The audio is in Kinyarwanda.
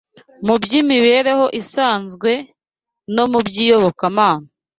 mu by’imibereho isanzwe no mu by’iyobokamana